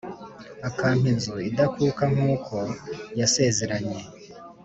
akampa inzu idakuka nk’uko yasezeranye